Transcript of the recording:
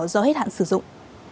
do hết hạn sử dụng